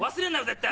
絶対！